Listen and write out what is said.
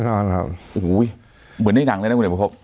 โอ้โหเหมือนในหนังเลยนะคุณเหนียวประพบ